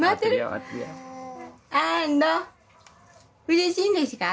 うれしいんですか？